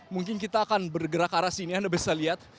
mungkin kita akan bergerak ke arah sini anda bisa lihat